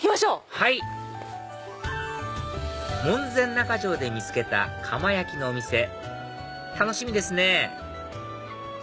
はい門前仲町で見つけた釜焼のお店楽しみですね！